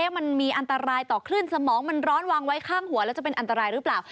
มันมีอันตรายต่อคลื่นสมองมันร้อนวางไว้ข้างหัวแล้วจะเป็นอันตรายหรือเปล่า